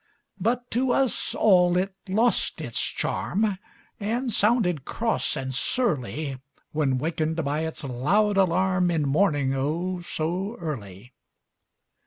But to us all it lost its charm, And sounded cross and surly, When wakened by its loud alarm In morning, oh, so early!